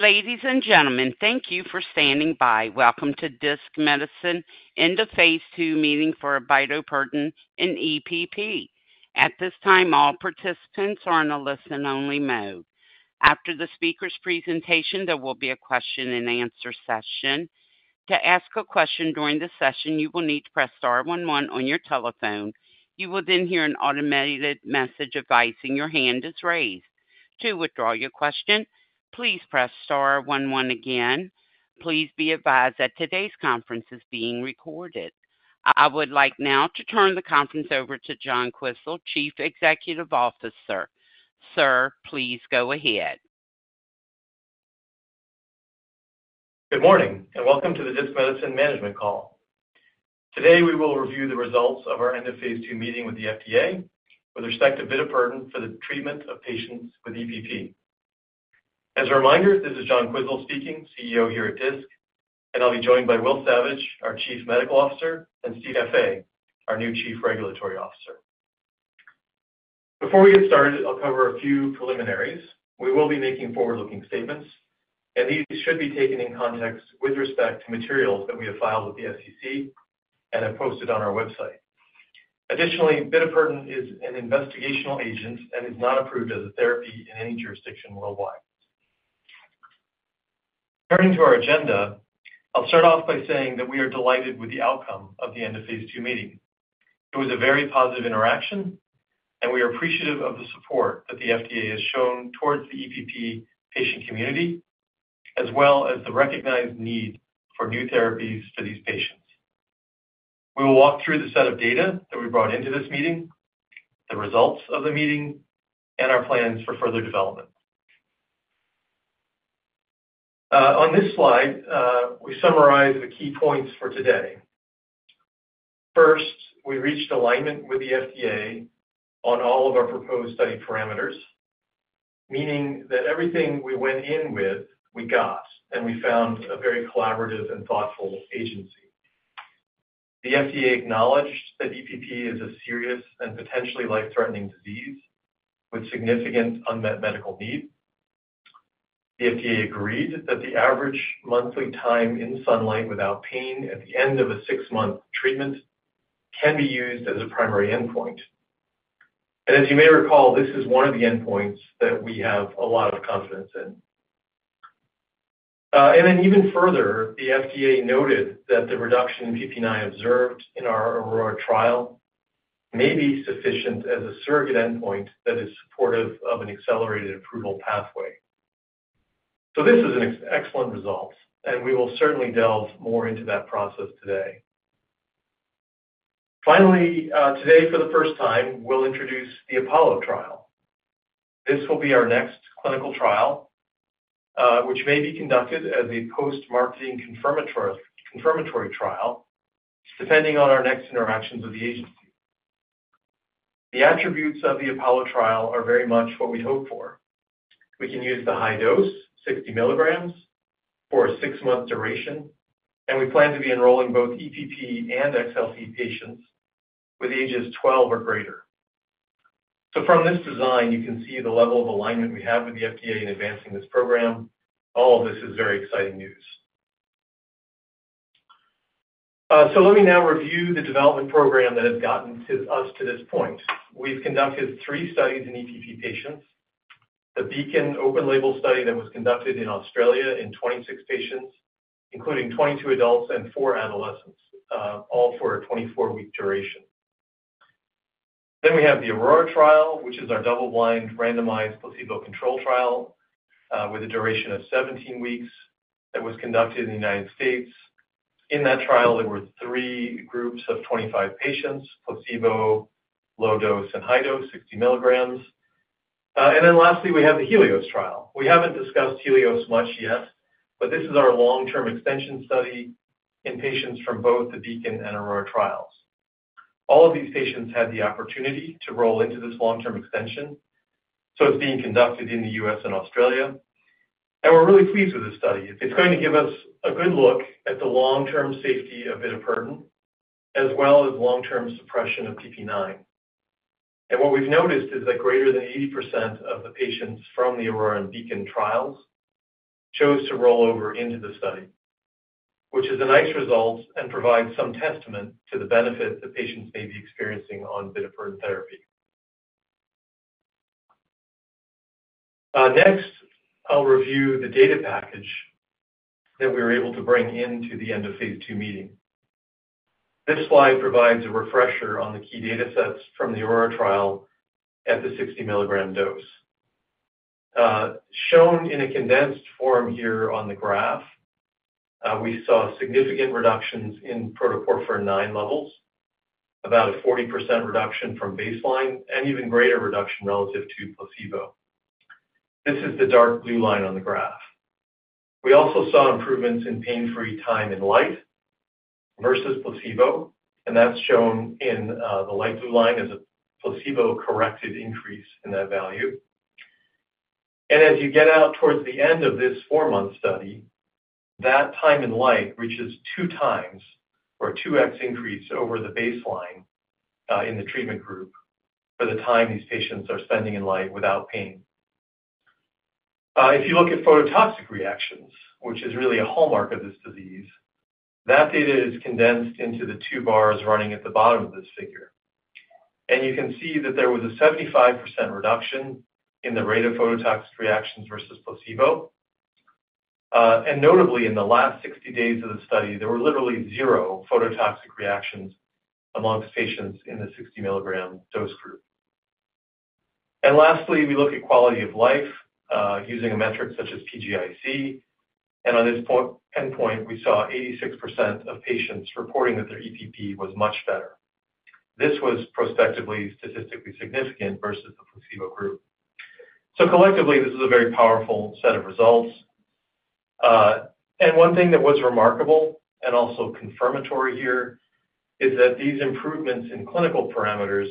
Ladies and gentlemen, thank you for standing by. Welcome to Disc Medicine's Phase II meeting for bitopertin and EPP. At this time, all participants are in a listen-only mode. After the speaker's presentation, there will be a question-and-answer session. To ask a question during the session, you will need to press star one one on your telephone. You will then hear an automated message advising your hand is raised. To withdraw your question, please press star one one again. Please be advised that today's conference is being recorded. I would like now to turn the conference over to John Quisel, Chief Executive Officer. Sir, please go ahead. Good morning and welcome to the Disc Medicine management call. Today, we will review the results of our End-of-Phase II meeting with the FDA with respect to bitopertin for the treatment of patients with EPP. As a reminder, this is John Quisel speaking, CEO here at Disc, and I'll be joined by Will Savage, our Chief Medical Officer, and Steve Caffé, our new Chief Regulatory Officer. Before we get started, I'll cover a few preliminaries. We will be making forward-looking statements, and these should be taken in context with respect to materials that we have filed with the SEC and have posted on our website. Additionally, bitopertin is an investigational agent and is not approved as a therapy in any jurisdiction worldwide. Turning to our agenda, I'll start off by saying that we are delighted with the outcome of the End-of-Phase II meeting. It was a very positive interaction, and we are appreciative of the support that the FDA has shown towards the EPP patient community, as well as the recognized need for new therapies for these patients. We will walk through the set of data that we brought into this meeting, the results of the meeting, and our plans for further development. On this slide, we summarize the key points for today. First, we reached alignment with the FDA on all of our proposed study parameters, meaning that everything we went in with, we got, and we found a very collaborative and thoughtful agency. The FDA acknowledged that EPP is a serious and potentially life-threatening disease with significant unmet medical needs. The FDA agreed that the average monthly time in sunlight without pain at the end of a six-month treatment can be used as a primary endpoint. As you may recall, this is one of the endpoints that we have a lot of confidence in. Even further, the FDA noted that the reduction in PPIX observed in our Aurora trial may be sufficient as a surrogate endpoint that is supportive of an accelerated approval pathway. This is an excellent result, and we will certainly delve more into that process today. Finally, today, for the first time, we'll introduce the Apollo trial. This will be our next clinical trial, which may be conducted as a post-marketing confirmatory trial, depending on our next interactions with the agency. The attributes of the Apollo trial are very much what we hope for. We can use the high dose, 60 milligrams, for a six-month duration, and we plan to be enrolling both EPP and XLP patients with ages 12 or greater. From this design, you can see the level of alignment we have with the FDA in advancing this program. All of this is very exciting news. So let me now review the development program that has gotten us to this point. We've conducted three studies in EPP patients: the Beacon open-label study that was conducted in Australia in 26 patients, including 22 adults and four adolescents, all for a 24-week duration. Then we have the Aurora trial, which is our double-blind randomized placebo-controlled trial with a duration of 17 weeks that was conducted in the United States. In that trial, there were three groups of 25 patients: placebo, low dose, and high dose, 60 milligrams. And then lastly, we have the Helios trial. We haven't discussed Helios much yet, but this is our long-term extension study in patients from both the Beacon and Aurora trials. All of these patients had the opportunity to roll into this long-term extension, so it's being conducted in the U.S. and Australia. We're really pleased with this study. It's going to give us a good look at the long-term safety of bitopertin, as well as long-term suppression of PPIX. What we've noticed is that greater than 80% of the patients from the Aurora and Beacon trials chose to roll over into the study, which is a nice result and provides some testament to the benefit that patients may be experiencing on bitopertin therapy. Next, I'll review the data package that we were able to bring into the End-of-Phase II meeting. This slide provides a refresher on the key data sets from the Aurora trial at the 60 milligram dose. Shown in a condensed form here on the graph, we saw significant reductions in protoporphyrin IX levels, about a 40% reduction from baseline, and even greater reduction relative to placebo. This is the dark blue line on the graph. We also saw improvements in pain-free time in light versus placebo, and that's shown in the light blue line as a placebo-corrected increase in that value, and as you get out towards the end of this four-month study, that time in light reaches two times, or a 2x increase over the baseline in the treatment group for the time these patients are spending in light without pain. If you look at phototoxic reactions, which is really a hallmark of this disease, that data is condensed into the two bars running at the bottom of this figure. You can see that there was a 75% reduction in the rate of phototoxic reactions versus placebo. Notably, in the last 60 days of the study, there were literally zero phototoxic reactions among patients in the 60 milligram dose group. Lastly, we look at quality of life using a metric such as PGIC, and on this endpoint, we saw 86% of patients reporting that their EPP was much better. This was prospectively statistically significant versus the placebo group. Collectively, this is a very powerful set of results. One thing that was remarkable and also confirmatory here is that these improvements in clinical parameters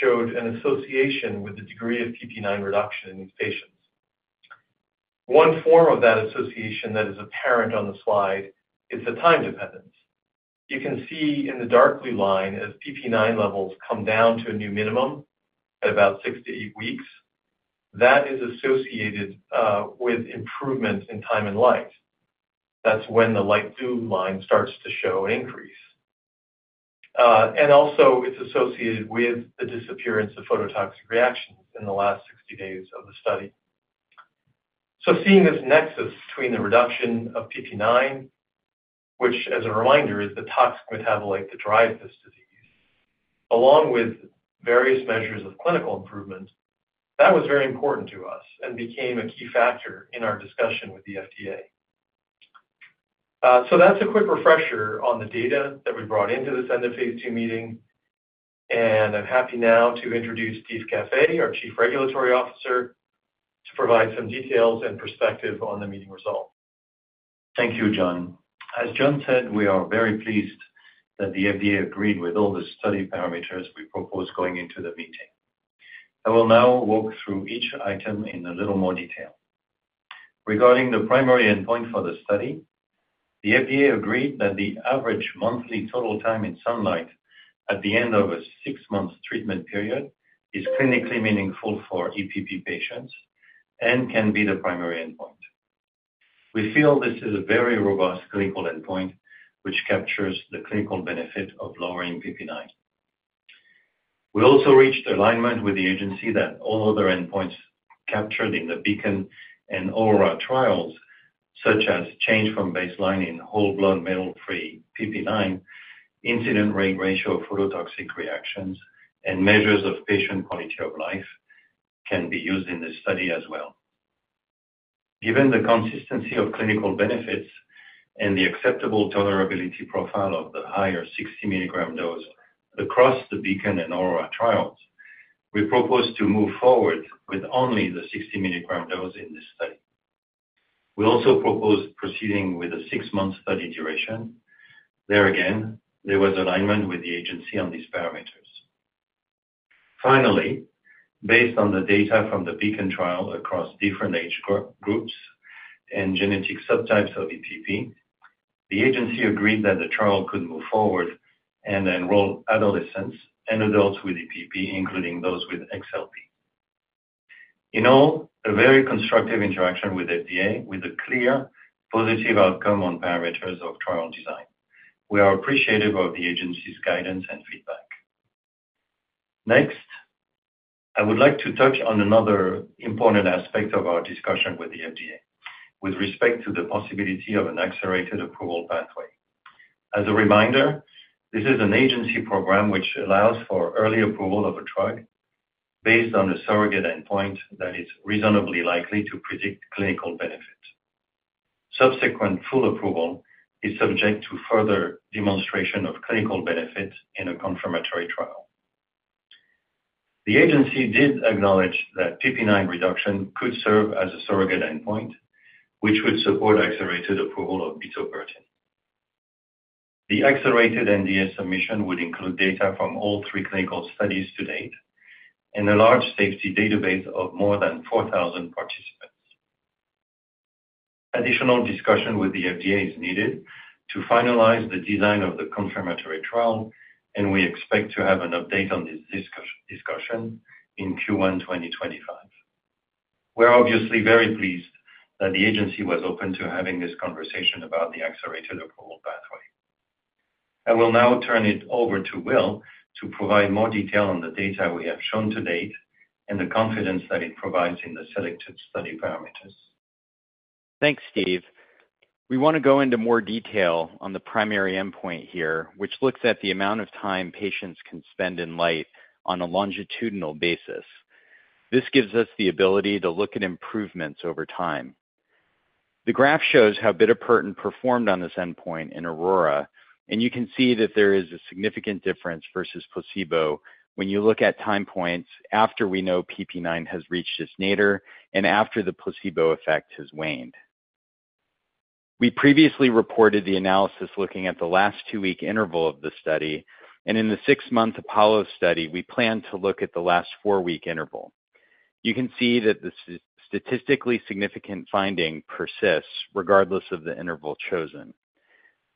showed an association with the degree of PPIX reduction in these patients. One form of that association that is apparent on the slide is the time dependence. You can see in the dark blue line, as PPIX levels come down to a new minimum at about six to eight weeks, that is associated with improvement in time in light. That's when the light blue line starts to show an increase. And also, it's associated with the disappearance of phototoxic reactions in the last 60 days of the study. Seeing this nexus between the reduction of PPIX, which, as a reminder, is the toxic metabolite that drives this disease, along with various measures of clinical improvement, that was very important to us and became a key factor in our discussion with the FDA. That's a quick refresher on the data that we brought into this End-of-Phase II meeting, and I'm happy now to introduce Steve Caffé, our Chief Regulatory Officer, to provide some details and perspective on the meeting results. Thank you, John. As John said, we are very pleased that the FDA agreed with all the study parameters we proposed going into the meeting. I will now walk through each item in a little more detail. Regarding the primary endpoint for the study, the FDA agreed that the average monthly total time in sunlight at the end of a six-month treatment period is clinically meaningful for EPP patients and can be the primary endpoint. We feel this is a very robust clinical endpoint, which captures the clinical benefit of lowering PPIX. We also reached alignment with the agency that all other endpoints captured in the Beacon and Aurora trials, such as change from baseline in whole blood metal-free PPIX, incidence rate ratio of phototoxic reactions, and measures of patient quality of life, can be used in this study as well. Given the consistency of clinical benefits and the acceptable tolerability profile of the higher 60 milligram dose across the Beacon and Aurora trials, we proposed to move forward with only the 60 milligram dose in this study. We also proposed proceeding with a six-month study duration. There again, there was alignment with the agency on these parameters. Finally, based on the data from the Beacon trial across different age groups and genetic subtypes of EPP, the agency agreed that the trial could move forward and enroll adolescents and adults with EPP, including those with XLP. In all, a very constructive interaction with the FDA, with a clear positive outcome on parameters of trial design. We are appreciative of the agency's guidance and feedback. Next, I would like to touch on another important aspect of our discussion with the FDA with respect to the possibility of an accelerated approval pathway. As a reminder, this is an agency program which allows for early approval of a drug based on a surrogate endpoint that is reasonably likely to predict clinical benefit. Subsequent full approval is subject to further demonstration of clinical benefit in a confirmatory trial. The agency did acknowledge that PPIX reduction could serve as a surrogate endpoint, which would support accelerated approval of bitopertin. The accelerated NDA submission would include data from all three clinical studies to date and a large safety database of more than 4,000 participants. Additional discussion with the FDA is needed to finalize the design of the confirmatory trial, and we expect to have an update on this discussion in Q1 2025. We're obviously very pleased that the agency was open to having this conversation about the accelerated approval pathway. I will now turn it over to Will to provide more detail on the data we have shown to date and the confidence that it provides in the selected study parameters. Thanks, Steve. We want to go into more detail on the primary endpoint here, which looks at the amount of time patients can spend in light on a longitudinal basis. This gives us the ability to look at improvements over time. The graph shows how bitopertin performed on this endpoint in Aurora, and you can see that there is a significant difference versus placebo when you look at time points after we know PPIX has reached its nadir and after the placebo effect has waned. We previously reported the analysis looking at the last two-week interval of the study, and in the six-month Apollo study, we plan to look at the last four-week interval. You can see that this statistically significant finding persists regardless of the interval chosen.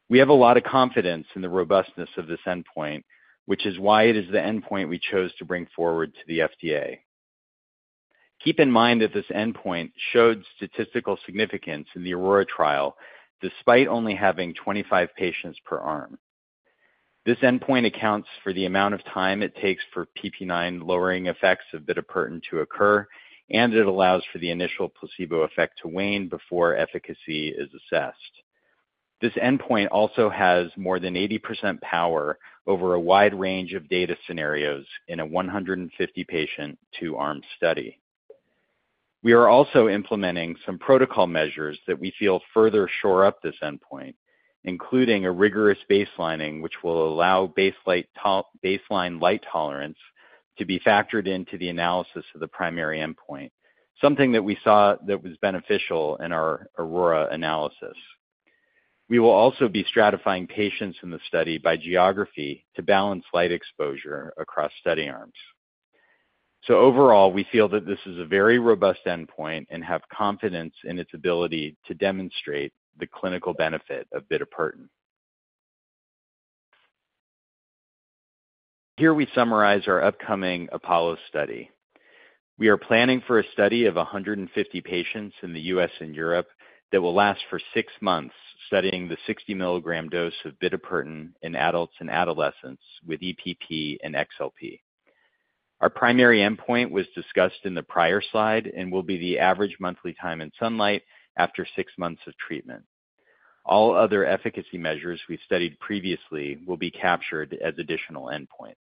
We have a lot of confidence in the robustness of this endpoint, which is why it is the endpoint we chose to bring forward to the FDA. Keep in mind that this endpoint showed statistical significance in the Aurora trial despite only having 25 patients per arm. This endpoint accounts for the amount of time it takes for PPIX lowering effects of bitopertin to occur, and it allows for the initial placebo effect to wane before efficacy is assessed. This endpoint also has more than 80% power over a wide range of data scenarios in a 150-patient two-arm study. We are also implementing some protocol measures that we feel further shore up this endpoint, including a rigorous baselining, which will allow baseline light tolerance to be factored into the analysis of the primary endpoint, something that we saw that was beneficial in our Aurora analysis. We will also be stratifying patients in the study by geography to balance light exposure across study arms. So overall, we feel that this is a very robust endpoint and have confidence in its ability to demonstrate the clinical benefit of bitopertin. Here we summarize our upcoming Apollo study. We are planning for a study of 150 patients in the U.S. and Europe that will last for six months studying the 60 milligram dose of bitopertin in adults and adolescents with EPP and XLP. Our primary endpoint was discussed in the prior slide and will be the average monthly time in sunlight after six months of treatment. All other efficacy measures we studied previously will be captured as additional endpoints.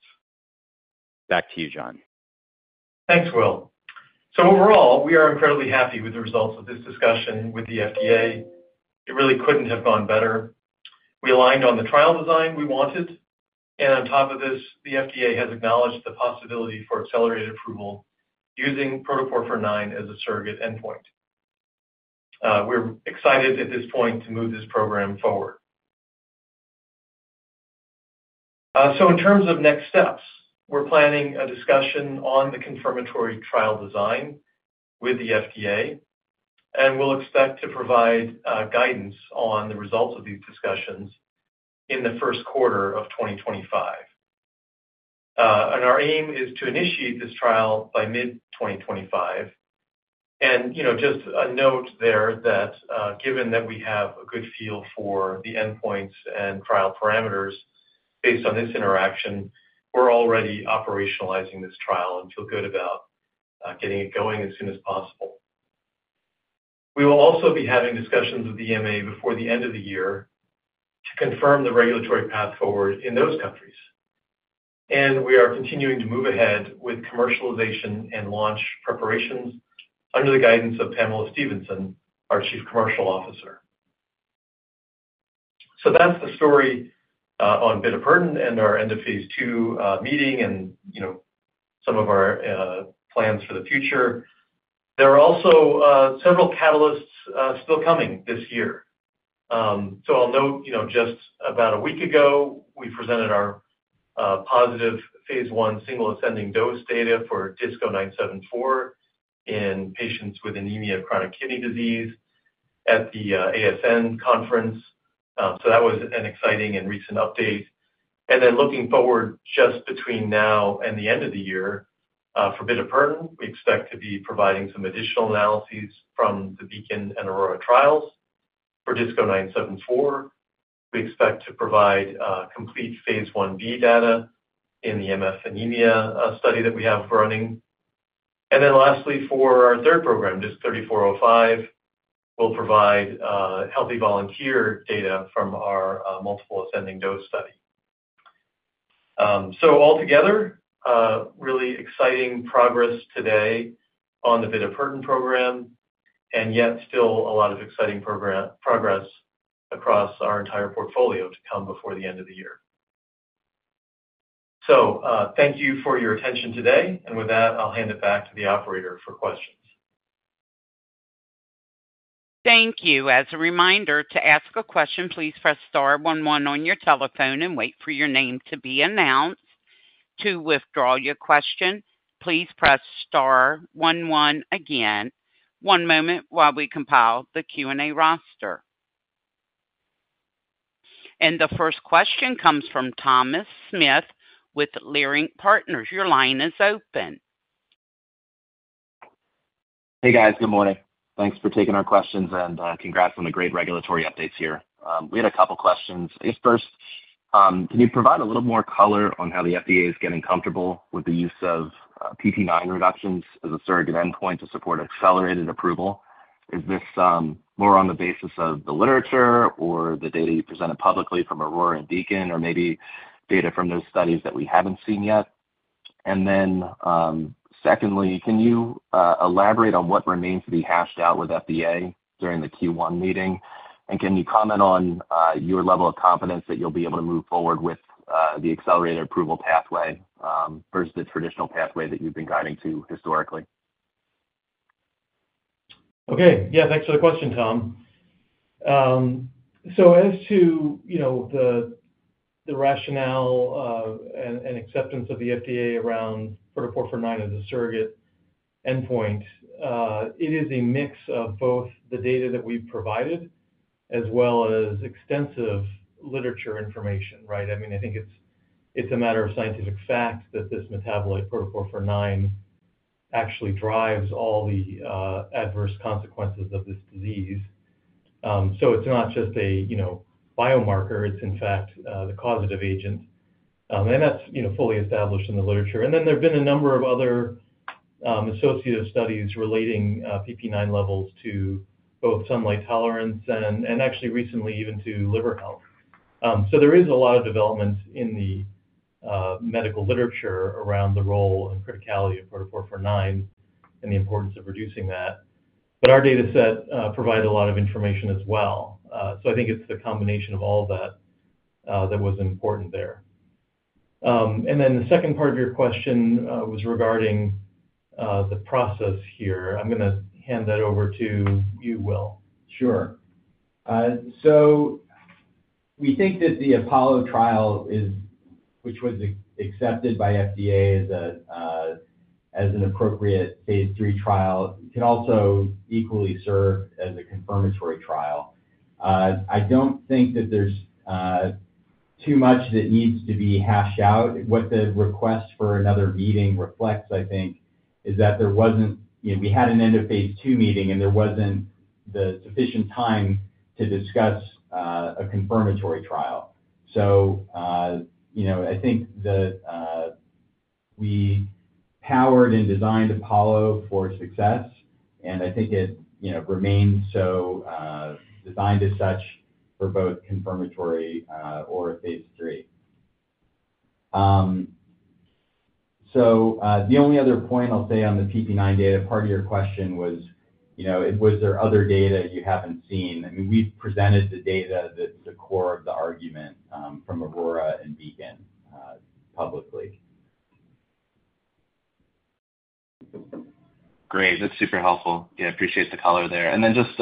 Back to you, John. Thanks, Will. So overall, we are incredibly happy with the results of this discussion with the FDA. It really couldn't have gone better. We aligned on the trial design we wanted, and on top of this, the FDA has acknowledged the possibility for accelerated approval using protoporphyrin IX as a surrogate endpoint. We're excited at this point to move this program forward. So in terms of next steps, we're planning a discussion on the confirmatory trial design with the FDA, and we'll expect to provide guidance on the results of these discussions in the first quarter of 2025. And our aim is to initiate this trial by mid-2025. And just a note there that given that we have a good feel for the endpoints and trial parameters based on this interaction, we're already operationalizing this trial and feel good about getting it going as soon as possible. We will also be having discussions with the EMA before the end of the year to confirm the regulatory path forward in those countries. And we are continuing to move ahead with commercialization and launch preparations under the guidance of Pamela Stephenson, our Chief Commercial Officer. So that's the story on bitopertin and our End-of-Phase II meeting and some of our plans for the future. There are also several catalysts still coming this year. So I'll note just about a week ago, we presented our positive phase I single ascending dose data for DISC-0974 in patients with anemia of chronic kidney disease at the ASN conference. So that was an exciting and recent update. And then looking forward just between now and the end of the year for bitopertin, we expect to be providing some additional analyses from the Beacon and Aurora trials for DISC-0974. We expect to provide complete phase I-B data in the MF anemia study that we have running. And then lastly, for our third program, DISC-3405, we'll provide healthy volunteer data from our multiple ascending dose study. So altogether, really exciting progress today on the bitopertin program, and yet still a lot of exciting progress across our entire portfolio to come before the end of the year. So thank you for your attention today, and with that, I'll hand it back to the operator for questions. Thank you. As a reminder, to ask a question, please press star one one on your telephone and wait for your name to be announced. To withdraw your question, please press star one one again. One moment while we compile the Q&A roster. And the first question comes from Thomas Smith with Leerink Partners. Your line is open. Hey, guys. Good morning. Thanks for taking our questions, and congrats on the great regulatory updates here. We had a couple of questions. I guess first, can you provide a little more color on how the FDA is getting comfortable with the use of PPIX reductions as a surrogate endpoint to support accelerated approval? Is this more on the basis of the literature or the data you presented publicly from Aurora and Beacon, or maybe data from those studies that we haven't seen yet? And then secondly, can you elaborate on what remains to be hashed out with FDA during the Q1 meeting? And can you comment on your level of confidence that you'll be able to move forward with the accelerated approval pathway versus the traditional pathway that you've been guiding to historically? Okay. Yeah, thanks for the question, Tom. So as to the rationale and acceptance of the FDA around protoporphyrin IX as a surrogate endpoint, it is a mix of both the data that we've provided as well as extensive literature information, right? I mean, I think it's a matter of scientific fact that this metabolite protoporphyrin IX actually drives all the adverse consequences of this disease. So it's not just a biomarker. It's, in fact, the causative agent. And that's fully established in the literature. And then there have been a number of other associative studies relating PPIX levels to both sunlight tolerance and actually recently even to liver health. So there is a lot of development in the medical literature around the role and criticality of protoporphyrin IX and the importance of reducing that. But our data set provided a lot of information as well. So I think it's the combination of all of that that was important there. And then the second part of your question was regarding the process here. I'm going to hand that over to you, Will. Sure. So we think that the Apollo trial, which was accepted by FDA as an appropriate phase III trial, can also equally serve as a confirmatory trial. I don't think that there's too much that needs to be hashed out. What the request for another meeting reflects, I think, is that there wasn't, we had an End-of-Phase II meeting, and there wasn't the sufficient time to discuss a confirmatory trial. So I think we powered and designed Apollo for success, and I think it remains so designed as such for both confirmatory or phase III. So the only other point I'll say on the PPIX data, part of your question was, was there other data you haven't seen? I mean, we've presented the data that's the core of the argument from Aurora and Beacon publicly. Great. That's super helpful. Yeah, appreciate the color there. And then just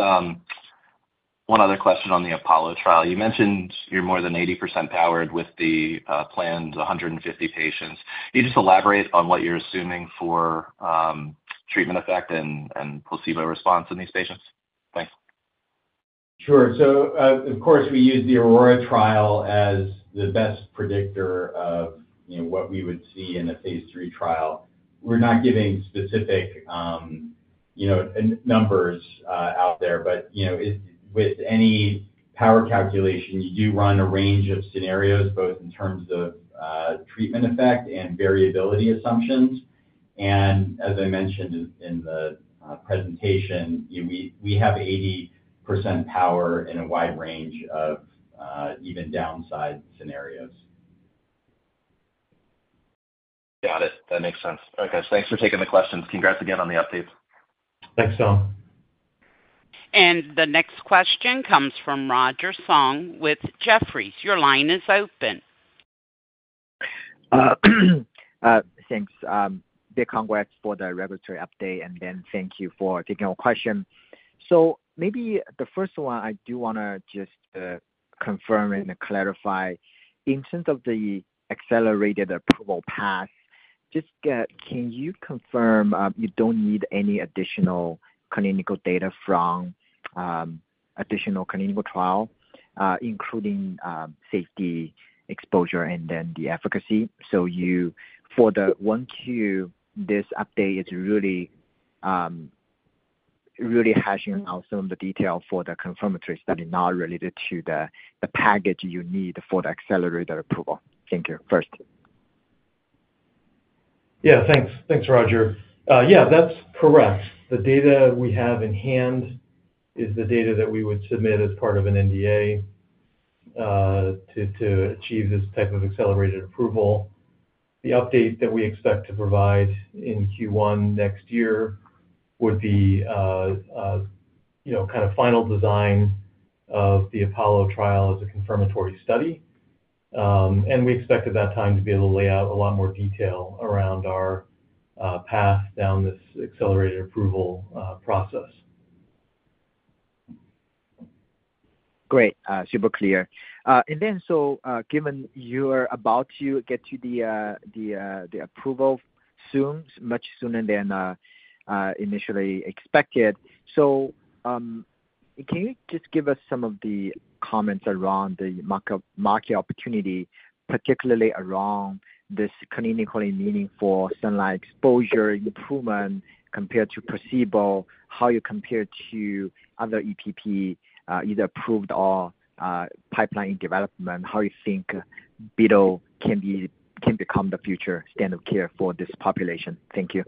one other question on the Apollo trial. You mentioned you're more than 80% powered with the planned 150 patients. Can you just elaborate on what you're assuming for treatment effect and placebo response in these patients? Thanks. Sure. Of course, we use the Aurora trial as the best predictor of what we would see in a phase III trial. We're not giving specific numbers out there, but with any power calculation, you do run a range of scenarios both in terms of treatment effect and variability assumptions. As I mentioned in the presentation, we have 80% power in a wide range of even downside scenarios. Got it. That makes sense. All right, guys. Thanks for taking the questions. Congrats again on the updates. Thanks, Tom. And the next question comes from Roger Song with Jefferies. Your line is open. Thanks. Big congrats for the regulatory update, and then thank you for taking our question. So maybe the first one I do want to just confirm and clarify. In terms of the accelerated approval path, just can you confirm you don't need any additional clinical data from additional clinical trial, including safety, exposure, and then the efficacy? So for the one Q, this update is really hashing out some of the detail for the confirmatory study, not related to the package you need for the accelerated approval. Thank you first. Yeah, thanks. Thanks, Roger. Yeah, that's correct. The data we have in hand is the data that we would submit as part of an NDA to achieve this type of accelerated approval. The update that we expect to provide in Q1 next year would be kind of final design of the Apollo trial as a confirmatory study. And we expect at that time to be able to lay out a lot more detail around our path down this accelerated approval process. Great. Super clear. And then so given you're about to get to the approval soon, much sooner than initially expected, so can you just give us some of the comments around the market opportunity, particularly around this clinically meaningful sunlight exposure improvement compared to placebo, how you compare to other EPP, either approved or pipeline in development, how you think bitopertin can become the future standard of care for this population? Thank you.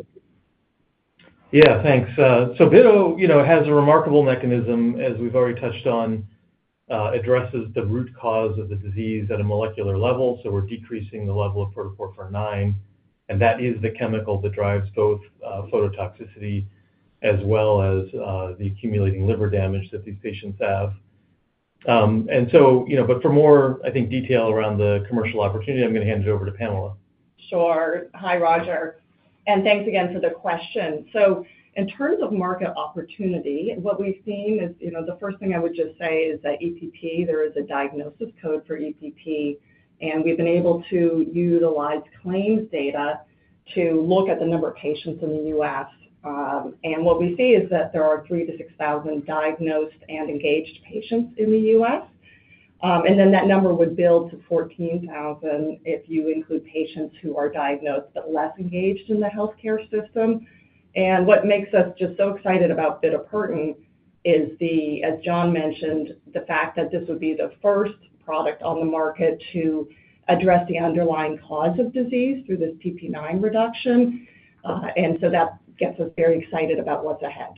Yeah, thanks. So bitopertin has a remarkable mechanism, as we've already touched on, addresses the root cause of the disease at a molecular level. So we're decreasing the level of protoporphyrin IX, and that is the chemical that drives both phototoxicity as well as the accumulating liver damage that these patients have. And so, but for more, I think, detail around the commercial opportunity, I'm going to hand it over to Pamela. Sure. Hi, Roger. And thanks again for the question. So in terms of market opportunity, what we've seen is the first thing I would just say is that EPP, there is a diagnosis code for EPP, and we've been able to utilize claims data to look at the number of patients in the U.S. And what we see is that there are 3,000-6,000 diagnosed and engaged patients in the U.S. And then that number would build to 14,000 if you include patients who are diagnosed but less engaged in the healthcare system. And what makes us just so excited about bitopertin is, as John mentioned, the fact that this would be the first product on the market to address the underlying cause of disease through this PPIX reduction. And so that gets us very excited about what's ahead.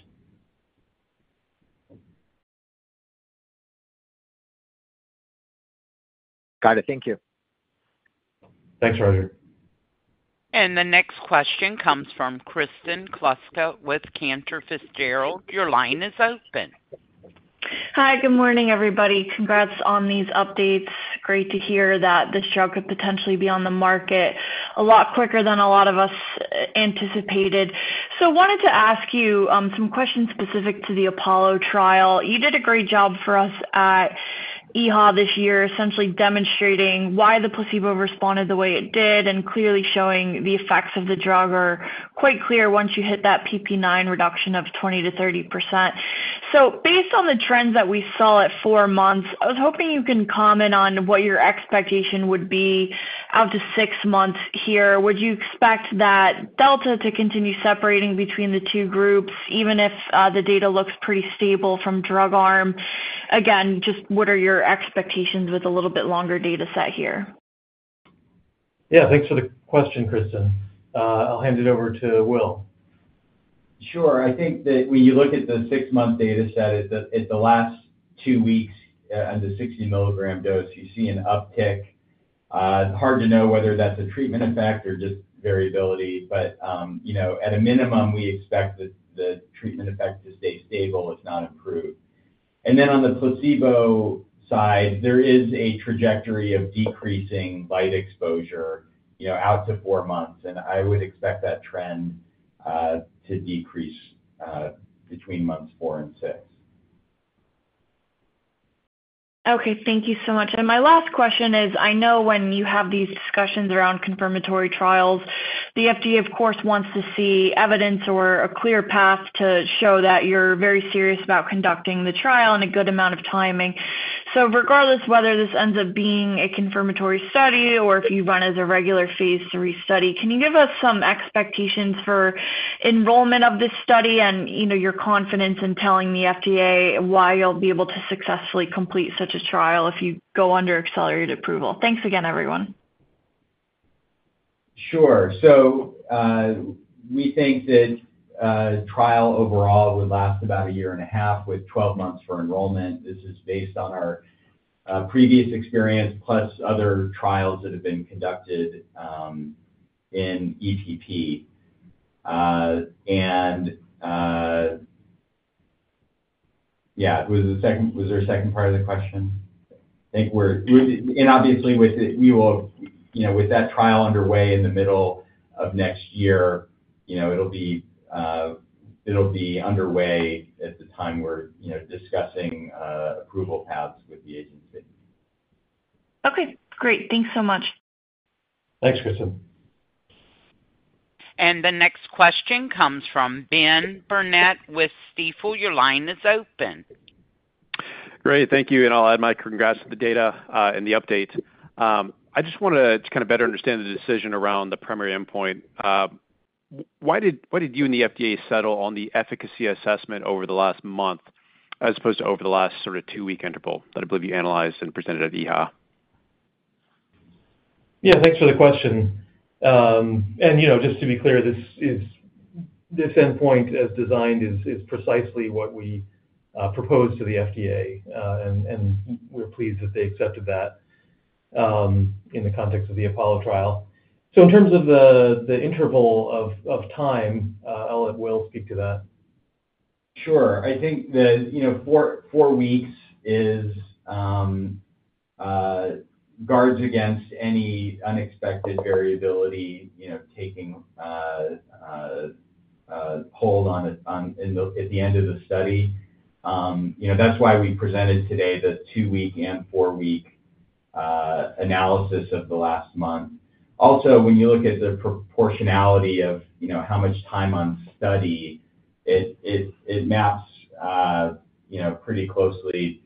Got it. Thank you. Thanks, Roger. The next question comes from Kristen Kluska with Cantor Fitzgerald. Your line is open. Hi, good morning, everybody. Congrats on these updates. Great to hear that this drug could potentially be on the market a lot quicker than a lot of us anticipated. So wanted to ask you some questions specific to the Apollo trial. You did a great job for us at EHA this year, essentially demonstrating why the placebo responded the way it did and clearly showing the effects of the drug are quite clear once you hit that PPIX reduction of 20%-30%. So based on the trends that we saw at four months, I was hoping you can comment on what your expectation would be out to six months here. Would you expect that Delta to continue separating between the two groups, even if the data looks pretty stable from drug arm? Again, just what are your expectations with a little bit longer data set here? Yeah, thanks for the question, Kristen. I'll hand it over to Will. Sure. I think that when you look at the six-month data set, at the last two weeks under 60 milligram dose, you see an uptick. It's hard to know whether that's a treatment effect or just variability, but at a minimum, we expect the treatment effect to stay stable if not improved, and then on the placebo side, there is a trajectory of decreasing light exposure out to four months, and I would expect that trend to decrease between months four and six. Okay. Thank you so much. And my last question is, I know when you have these discussions around confirmatory trials, the FDA, of course, wants to see evidence or a clear path to show that you're very serious about conducting the trial and a good amount of timing. So regardless of whether this ends up being a confirmatory study or if you run as a regular phase III study, can you give us some expectations for enrollment of this study and your confidence in telling the FDA why you'll be able to successfully complete such a trial if you go under accelerated approval? Thanks again, everyone. Sure. So we think that trial overall would last about a year and a half with 12 months for enrollment. This is based on our previous experience plus other trials that have been conducted in EPP. And yeah, was there a second part of the question? I think we're, and obviously, with that trial underway in the middle of next year, it'll be underway at the time we're discussing approval paths with the agency. Okay. Great. Thanks so much. Thanks, Kristen. The next question comes from Ben Burnett with Stifel. Your line is open. Great. Thank you. And I'll add my congrats to the data and the update. I just want to kind of better understand the decision around the primary endpoint. Why did you and the FDA settle on the efficacy assessment over the last month as opposed to over the last sort of two-week interval that I believe you analyzed and presented at EHA? Yeah, thanks for the question. And just to be clear, this endpoint as designed is precisely what we proposed to the FDA, and we're pleased that they accepted that in the context of the Apollo trial. So in terms of the interval of time, I'll let Will speak to that. Sure. I think that four weeks guards against any unexpected variability taking hold at the end of the study. That's why we presented today the two-week and four-week analysis of the last month. Also, when you look at the proportionality of how much time on study, it maps pretty closely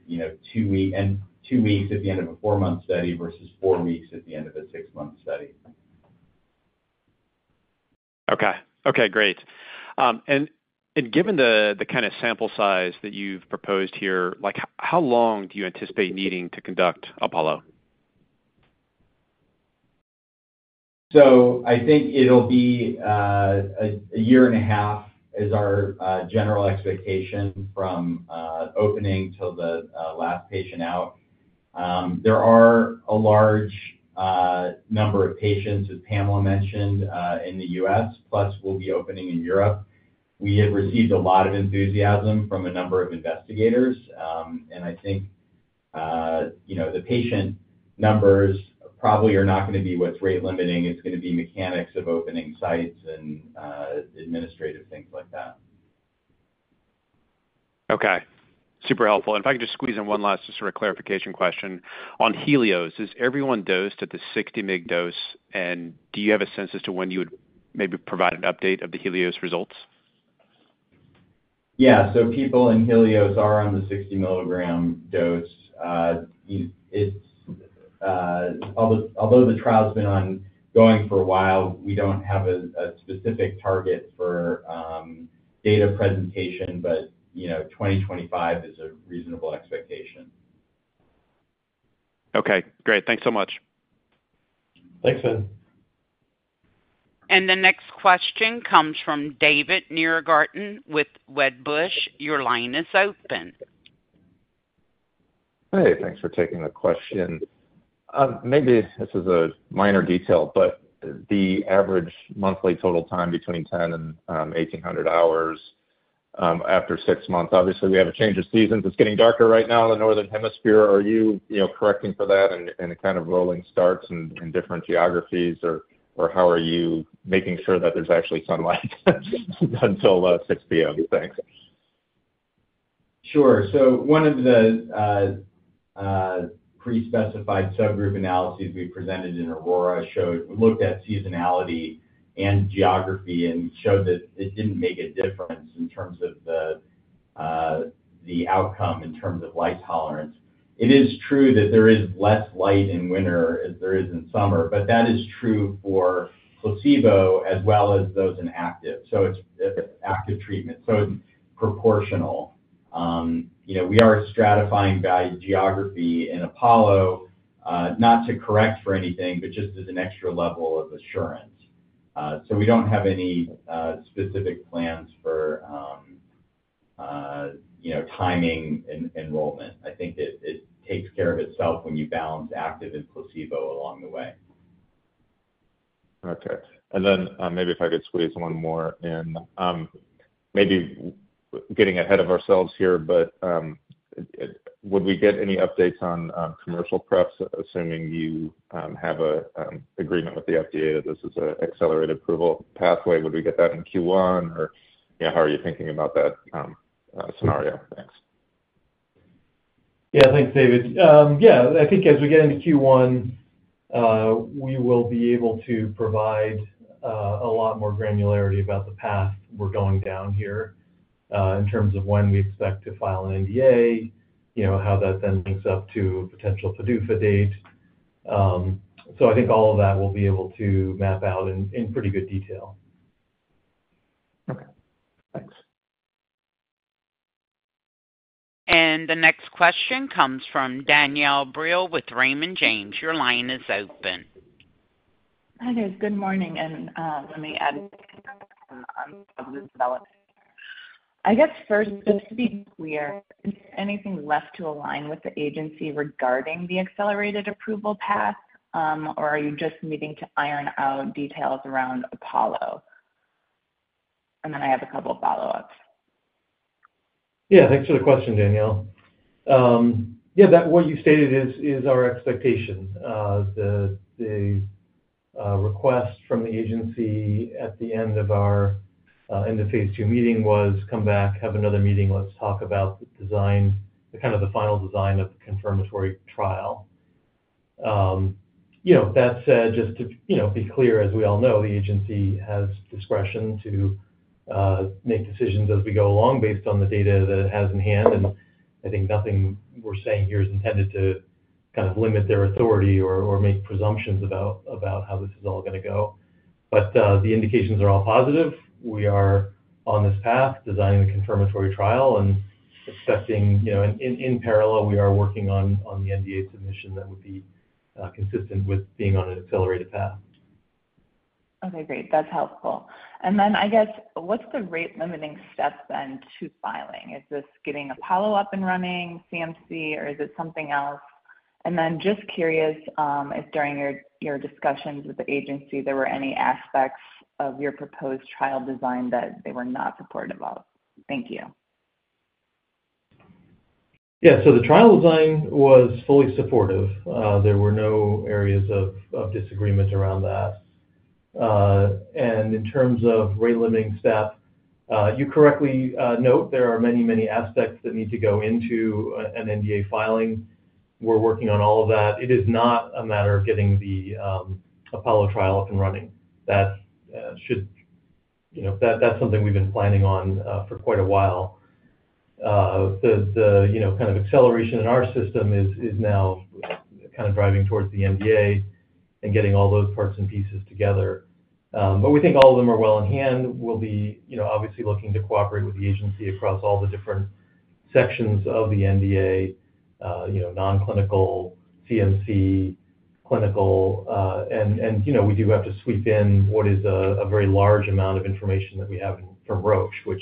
two weeks at the end of a four-month study versus four weeks at the end of a six-month study. Okay. Great. And given the kind of sample size that you've proposed here, how long do you anticipate needing to conduct Apollo? So, I think it'll be a year and a half, is our general expectation from opening till the last patient out. There are a large number of patients, as Pamela mentioned, in the U.S., plus we'll be opening in Europe. We have received a lot of enthusiasm from a number of investigators, and I think the patient numbers probably are not going to be what's rate limiting. It's going to be mechanics of opening sites and administrative things like that. Okay. Super helpful. And if I can just squeeze in one last sort of clarification question. On Helios, is everyone dosed at the 60 mg dose, and do you have a sense as to when you would maybe provide an update of the Helios results? Yeah. So people in Helios are on the 60-milligram dose. Although the trial's been ongoing for a while, we don't have a specific target for data presentation, but 2025 is a reasonable expectation. Okay. Great. Thanks so much. Thanks, Ben. The next question comes from David Nierengarten with Wedbush. Your line is open. Hey, thanks for taking the question. Maybe this is a minor detail, but the average monthly total time between 10 and 1,800 hours after six months. Obviously, we have a change of seasons. It's getting darker right now in the Northern Hemisphere. Are you correcting for that and kind of rolling starts in different geographies, or how are you making sure that there's actually sunlight until 6:00 P.M.? Thanks. Sure. So one of the pre-specified subgroup analyses we presented in Aurora looked at seasonality and geography and showed that it didn't make a difference in terms of the outcome in terms of light tolerance. It is true that there is less light in winter as there is in summer, but that is true for placebo as well as those in active treatment. So it's proportional. We are stratifying by geography in Apollo, not to correct for anything, but just as an extra level of assurance. So we don't have any specific plans for timing enrollment. I think it takes care of itself when you balance active and placebo along the way. Okay. And then maybe if I could squeeze one more in, maybe getting ahead of ourselves here, but would we get any updates on commercial preps, assuming you have an agreement with the FDA that this is an accelerated approval pathway? Would we get that in Q1, or how are you thinking about that scenario? Thanks. Yeah, thanks, David. Yeah, I think as we get into Q1, we will be able to provide a lot more granularity about the path we're going down here in terms of when we expect to file an NDA, how that then links up to a potential PDUFA date. So I think all of that we'll be able to map out in pretty good detail. Okay. Thanks. The next question comes from Danielle Brill with Raymond James. Your line is open. Hi, guys. Good morning. And let me add on the development. I guess first, just to be clear, is there anything left to align with the agency regarding the accelerated approval path, or are you just needing to iron out details around Apollo? And then I have a couple of follow-ups. Yeah, thanks for the question, Danielle. Yeah, what you stated is our expectation. The request from the agency at the end of our end-of-phase II meeting was, "Come back, have another meeting. Let's talk about the design, kind of the final design of the confirmatory trial." That said, just to be clear, as we all know, the agency has discretion to make decisions as we go along based on the data that it has in hand, and I think nothing we're saying here is intended to kind of limit their authority or make presumptions about how this is all going to go, but the indications are all positive. We are on this path, designing the confirmatory trial, and expecting in parallel, we are working on the NDA submission that would be consistent with being on an accelerated path. Okay. Great. That's helpful. And then I guess, what's the rate-limiting step then to filing? Is this getting Apollo up and running, CMC, or is it something else? And then just curious if during your discussions with the agency, there were any aspects of your proposed trial design that they were not supportive of. Thank you. Yeah. So the trial design was fully supportive. There were no areas of disagreement around that. And in terms of rate-limiting step, you correctly note there are many, many aspects that need to go into an NDA filing. We're working on all of that. It is not a matter of getting the Apollo trial up and running. That's something we've been planning on for quite a while. The kind of acceleration in our system is now kind of driving towards the NDA and getting all those parts and pieces together. But we think all of them are well in hand. We'll be obviously looking to cooperate with the agency across all the different sections of the NDA: non-clinical, CMC, clinical. And we do have to sweep in what is a very large amount of information that we have from Roche, which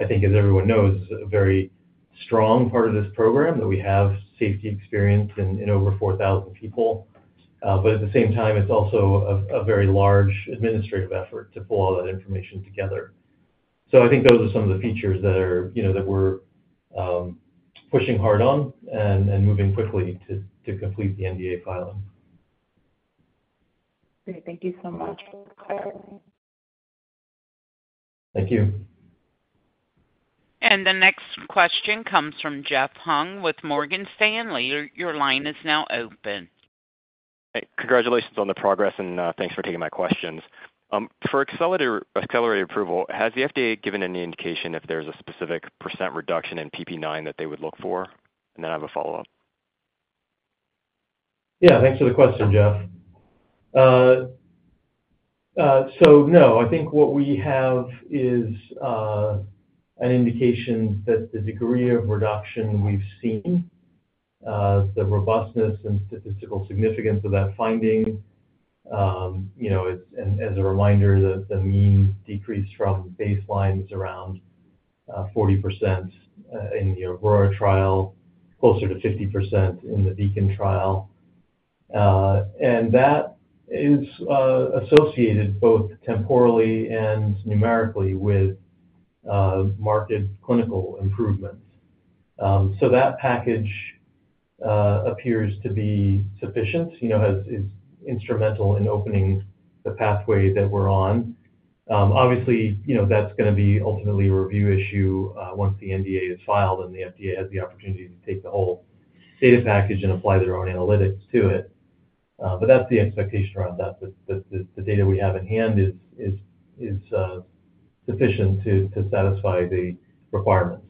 I think, as everyone knows, is a very strong part of this program that we have safety experience in over 4,000 people. But at the same time, it's also a very large administrative effort to pull all that information together. So I think those are some of the features that we're pushing hard on and moving quickly to complete the NDA filing. Great. Thank you so much. Thank you. And the next question comes from Jeff Hung with Morgan Stanley. Your line is now open. Congratulations on the progress, and thanks for taking my questions. For accelerated approval, has the FDA given any indication if there's a specific percent reduction in PPIX that they would look for? And then I have a follow-up. Yeah. Thanks for the question, Jeff. So no, I think what we have is an indication that the degree of reduction we've seen, the robustness and statistical significance of that finding. As a reminder, the mean decrease from baseline is around 40% in the Aurora trial, closer to 50% in the Beacon trial. And that is associated both temporally and numerically with marked clinical improvements. So that package appears to be sufficient, is instrumental in opening the pathway that we're on. Obviously, that's going to be ultimately a review issue once the NDA is filed and the FDA has the opportunity to take the whole data package and apply their own analytics to it. But that's the expectation around that. The data we have in hand is sufficient to satisfy the requirements.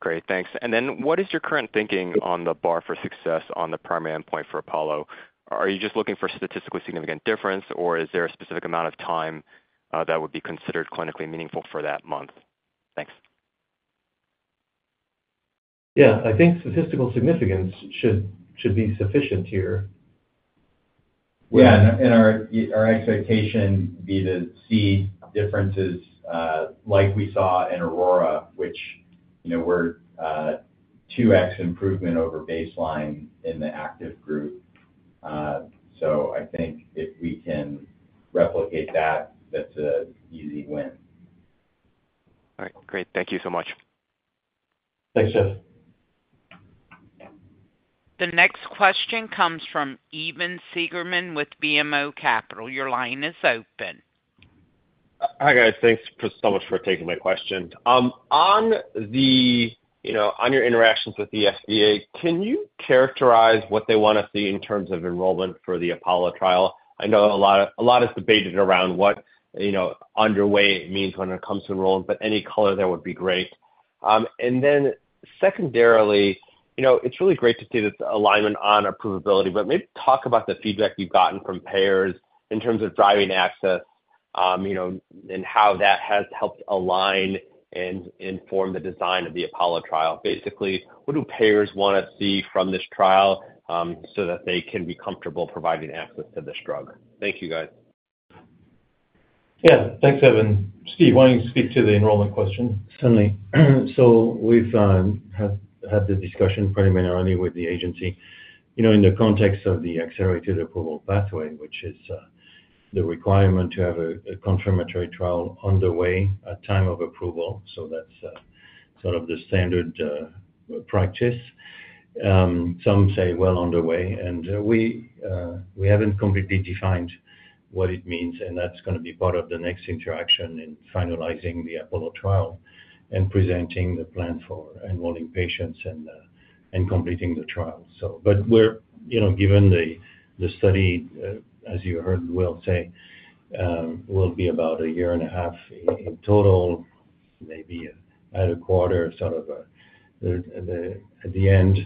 Great. Thanks. And then what is your current thinking on the bar for success on the primary endpoint for Apollo? Are you just looking for statistically significant difference, or is there a specific amount of time that would be considered clinically meaningful for that month? Thanks. Yeah. I think statistical significance should be sufficient here. Yeah. And our expectation would be to see differences like we saw in Aurora, which we're 2x improvement over baseline in the active group. So I think if we can replicate that, that's an easy win. All right. Great. Thank you so much. Thanks, Jeff. The next question comes from Evan Seigerman with BMO Capital. Your line is open. Hi, guys. Thanks so much for taking my question. On your interactions with the FDA, can you characterize what they want to see in terms of enrollment for the Apollo trial? I know a lot is debated around what 'underway' means when it comes to enrollment, but any color there would be great. And then secondarily, it's really great to see this alignment on approvability, but maybe talk about the feedback you've gotten from payers in terms of driving access and how that has helped align and inform the design of the Apollo trial. Basically, what do payers want to see from this trial so that they can be comfortable providing access to this drug? Thank you, guys. Yeah. Thanks, Evan. Steve, why don't you speak to the enrollment question? Certainly. So we've had the discussion preliminarily with the agency in the context of the accelerated approval pathway, which is the requirement to have a confirmatory trial underway at time of approval. So that's sort of the standard practice. Some say well underway, and we haven't completely defined what it means, and that's going to be part of the next interaction in finalizing the Apollo trial and presenting the plan for enrolling patients and completing the trial. But given the study, as you heard, we'll say will be about a year and a half in total, maybe at a quarter sort of at the end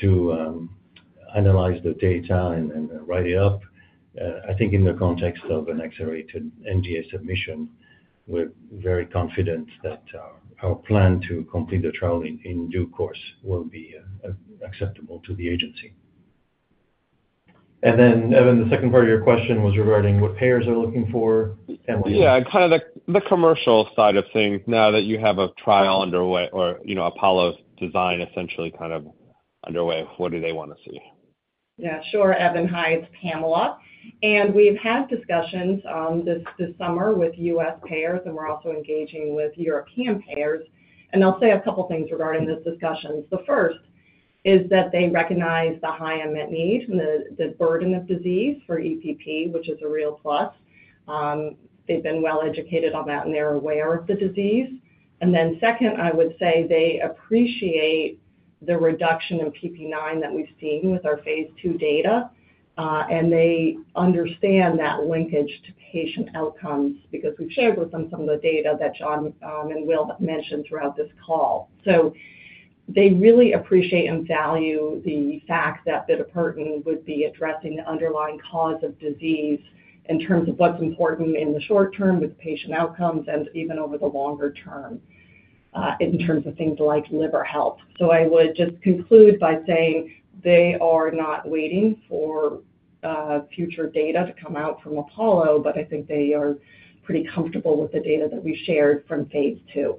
to analyze the data and write it up. I think in the context of an accelerated NDA submission, we're very confident that our plan to complete the trial in due course will be acceptable to the agency. And then, Evan, the second part of your question was regarding what payers are looking for. Yeah. Kind of the commercial side of things now that you have a trial underway or Apollo's design essentially kind of underway, what do they want to see? Yeah. Sure. Evan, this is Pamela. And we've had discussions this summer with U.S. payers, and we're also engaging with European payers. And I'll say a couple of things regarding this discussion. The first is that they recognize the high unmet need and the burden of disease for EPP, which is a real plus. They've been well educated on that, and they're aware of the disease. And then second, I would say they appreciate the reduction in PPIX that we've seen with our phase II data, and they understand that linkage to patient outcomes because we've shared with them some of the data that John and Will have mentioned throughout this call. So they really appreciate and value the fact that Bitopertin would be addressing the underlying cause of disease in terms of what's important in the short term with patient outcomes and even over the longer term in terms of things like liver health. So I would just conclude by saying they are not waiting for future data to come out from Apollo, but I think they are pretty comfortable with the data that we shared from phase II.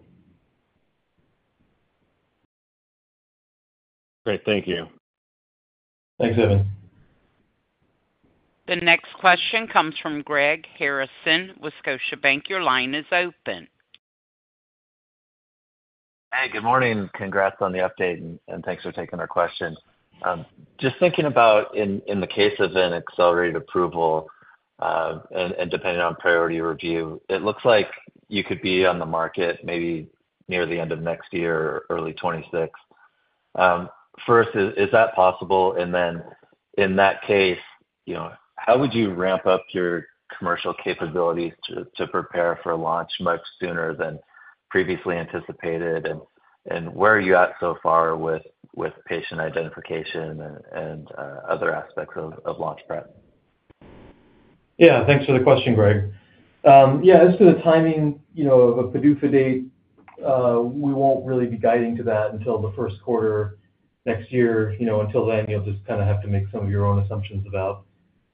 Great. Thank you. Thanks, Evan. The next question comes from Greg Harrison, Scotiabank. Your line is open. Hey, good morning. Congrats on the update, and thanks for taking our question. Just thinking about in the case of an accelerated approval and depending on priority review, it looks like you could be on the market maybe near the end of next year or early 2026. First, is that possible? And then in that case, how would you ramp up your commercial capabilities to prepare for launch much sooner than previously anticipated? And where are you at so far with patient identification and other aspects of launch prep? Yeah. Thanks for the question, Greg. Yeah. As to the timing of a PDUFA date, we won't really be guiding to that until the first quarter next year. Until then, you'll just kind of have to make some of your own assumptions about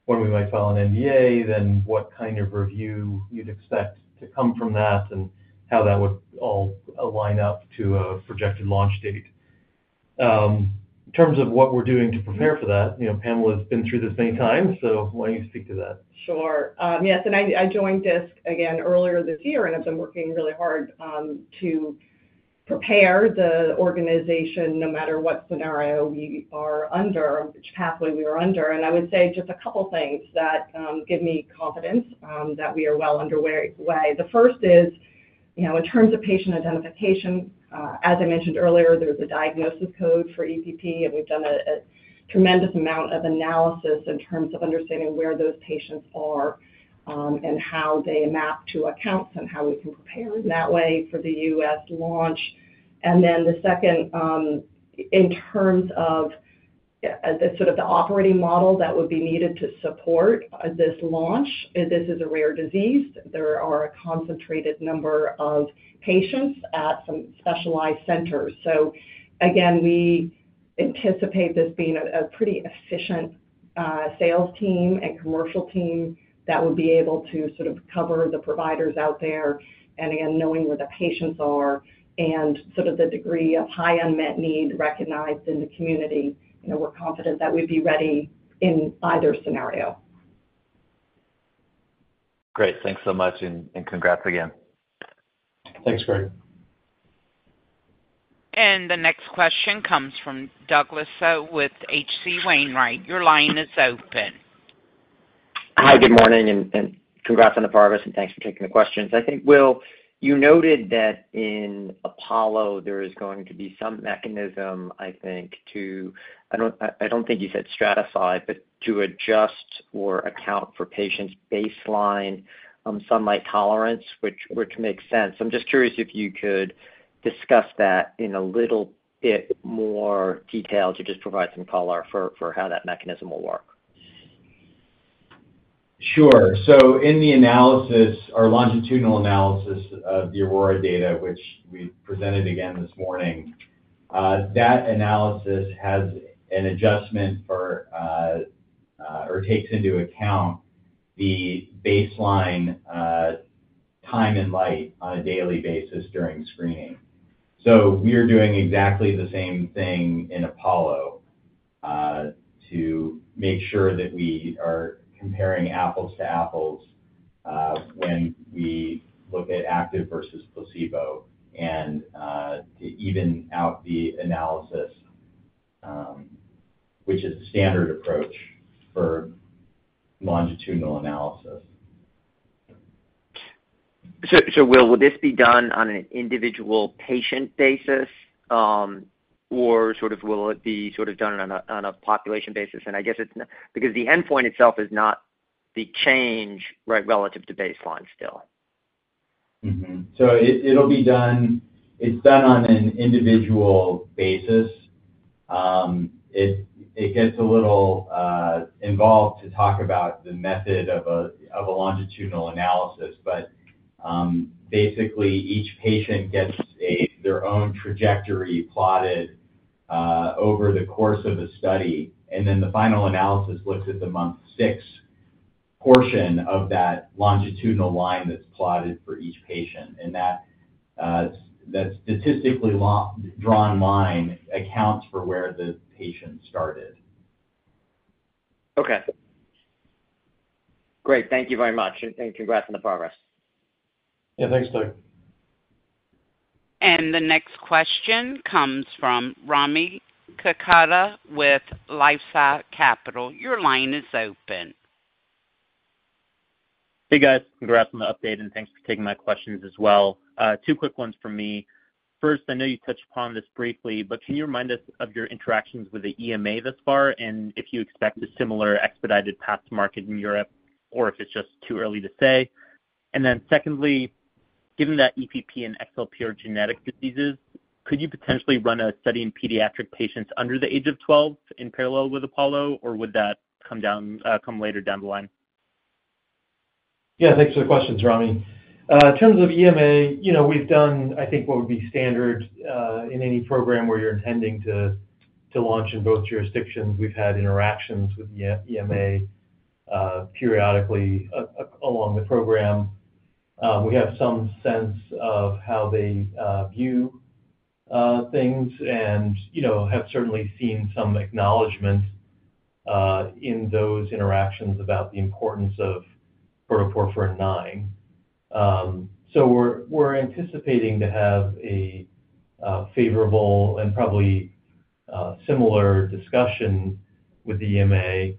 when we might file an NDA, then what kind of review you'd expect to come from that, and how that would all line up to a projected launch date. In terms of what we're doing to prepare for that, Pamela has been through this many times, so why don't you speak to that? Sure. Yes. And I joined Disc again earlier this year, and I've been working really hard to prepare the organization no matter what scenario we are under, which pathway we are under. And I would say just a couple of things that give me confidence that we are well underway. The first is in terms of patient identification, as I mentioned earlier, there's a diagnosis code for EPP, and we've done a tremendous amount of analysis in terms of understanding where those patients are and how they map to accounts and how we can prepare in that way for the U.S. launch. And then the second, in terms of sort of the operating model that would be needed to support this launch, this is a rare disease. There are a concentrated number of patients at some specialized centers. So again, we anticipate this being a pretty efficient sales team and commercial team that would be able to sort of cover the providers out there. And again, knowing where the patients are and sort of the degree of high unmet need recognized in the community, we're confident that we'd be ready in either scenario. Great. Thanks so much, and congrats again. Thanks, Greg. The next question comes from Douglas Tsao with HC Wainwright. Your line is open. Hi, good morning, and congrats on the progress, and thanks for taking the questions. I think, Will, you noted that in Apollo, there is going to be some mechanism, I think, to, I don't think you said stratify, but to adjust or account for patients' baseline sunlight tolerance, which makes sense. I'm just curious if you could discuss that in a little bit more detail to just provide some color for how that mechanism will work. Sure. So in the analysis, our longitudinal analysis of the Aurora data, which we presented again this morning, that analysis has an adjustment or takes into account the baseline time in light on a daily basis during screening. So we are doing exactly the same thing in Apollo to make sure that we are comparing apples to apples when we look at active versus placebo and to even out the analysis, which is the standard approach for longitudinal analysis. So Will, will this be done on an individual patient basis, or will it be sort of done on a population basis? And I guess it's because the endpoint itself is not the change, right, relative to baseline still? So it'll be done. It's done on an individual basis. It gets a little involved to talk about the method of a longitudinal analysis, but basically, each patient gets their own trajectory plotted over the course of the study. And then the final analysis looks at the month six portion of that longitudinal line that's plotted for each patient. And that statistically drawn line accounts for where the patient started. Okay. Great. Thank you very much, and congrats on the progress. Yeah. Thanks, Doug. The next question comes from Rami Katkhuda with LifeSci Capital. Your line is open. Hey, guys. Congrats on the update, and thanks for taking my questions as well. Two quick ones for me. First, I know you touched upon this briefly, but can you remind us of your interactions with the EMA thus far and if you expect a similar expedited path to market in Europe, or if it's just too early to say? And then secondly, given that EPP and XLP are genetic diseases, could you potentially run a study in pediatric patients under the age of 12 in parallel with Apollo, or would that come later down the line? Yeah. Thanks for the questions, Rami. In terms of EMA, we've done, I think, what would be standard in any program where you're intending to launch in both jurisdictions. We've had interactions with EMA periodically along the program. We have some sense of how they view things and have certainly seen some acknowledgment in those interactions about the importance of protoporphyrin IX. So we're anticipating to have a favorable and probably similar discussion with the EMA.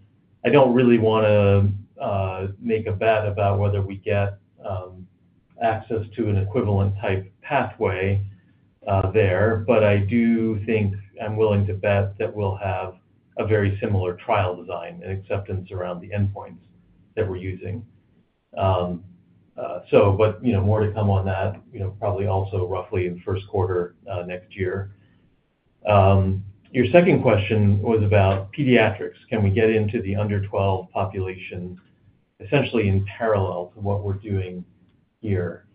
I don't really want to make a bet about whether we get access to an equivalent type pathway there, but I do think I'm willing to bet that we'll have a very similar trial design and acceptance around the endpoints that we're using. But more to come on that, probably also roughly in the first quarter next year. Your second question was about pediatrics. Can we get into the under 12 population essentially in parallel to what we're doing here?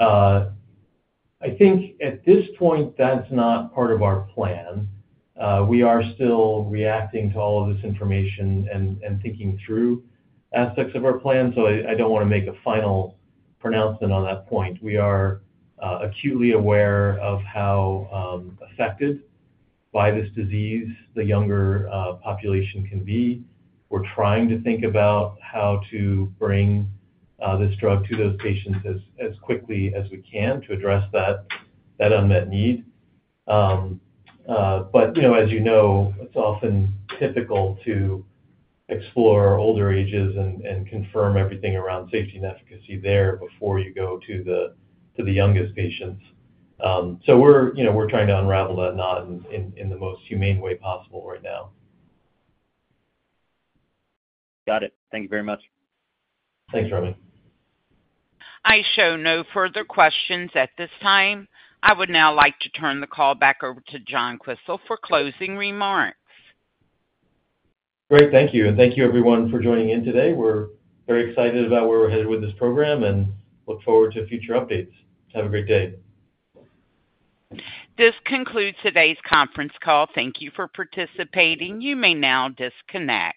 I think at this point, that's not part of our plan. We are still reacting to all of this information and thinking through aspects of our plan, so I don't want to make a final pronouncement on that point. We are acutely aware of how affected by this disease the younger population can be. We're trying to think about how to bring this drug to those patients as quickly as we can to address that unmet need. But as you know, it's often typical to explore older ages and confirm everything around safety and efficacy there before you go to the youngest patients. So we're trying to unravel that knot in the most humane way possible right now. Got it. Thank you very much. Thanks, Rami. I show no further questions at this time. I would now like to turn the call back over to John Quisel for closing remarks. Great. Thank you, and thank you, everyone, for joining in today. We're very excited about where we're headed with this program and look forward to future updates. Have a great day. This concludes today's conference call. Thank you for participating. You may now disconnect.